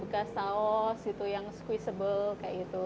bekas bekas saus gitu yang squishable kayak gitu